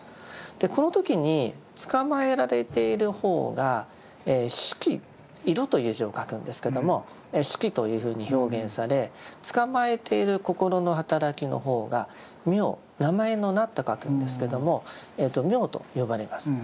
この時につかまえられている方が「色」色という字を書くんですけども「色」というふうに表現されつかまえている心の働きの方が「名」名前の名と書くんですけども「名」と呼ばれます。